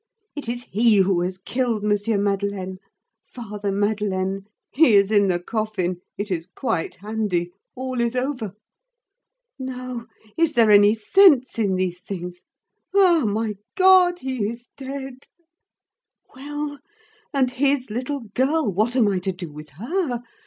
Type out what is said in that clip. It is he who has killed M. Madeleine. Father Madeleine! He is in the coffin. It is quite handy. All is over. Now, is there any sense in these things? Ah! my God! he is dead! Well! and his little girl, what am I to do with her?